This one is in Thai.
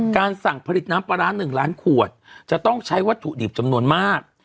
สั่งผลิตน้ำปลาร้า๑ล้านขวดจะต้องใช้วัตถุดิบจำนวนมาก